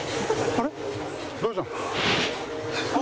あれ？